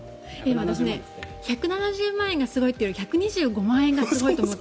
私、１７０万円がすごいというより１２５万円がすごいと思う。